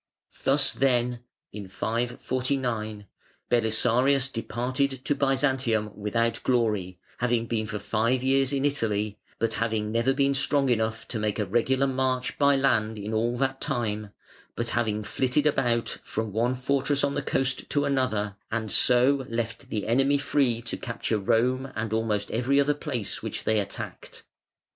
"Thus then", (in 549) "Belisarius departed to Byzantium without glory, having been for five years in Italy, but having never been strong enough to make a regular march by land in all that time, but having flitted about from one fortress on the coast to another, and so left the enemy free to capture Rome and almost every other place which they attacked".